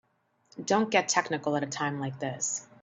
Don't get technical at a time like this.